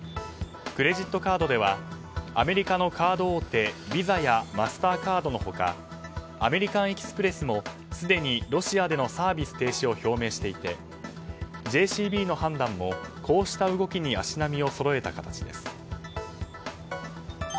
クレジットカードではアメリカのカード大手ＶＩＳＡやマスターカードの他アメリカン・エキスプレスもすでにロシアでのサービス停止を表明していてＪＣＢの判断も、こうした動きに足並みをそろえた形です。